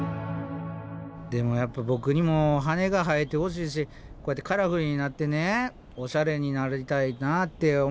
でもやっぱボクにも羽が生えてほしいしこうやってカラフルになってオシャレになりたいなって思うんですよ。